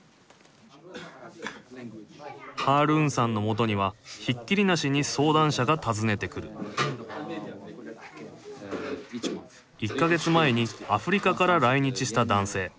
ハールーンさんのもとにはひっきりなしに相談者が訪ねてくる１か月前にアフリカから来日した男性。